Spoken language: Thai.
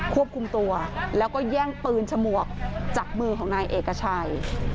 ควบคุมตัวแล้วก็แย่งปืนฉมวกจากมือของนายเอกชัย